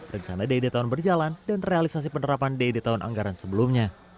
rencana ded tahun berjalan dan realisasi penerapan di tahun anggaran sebelumnya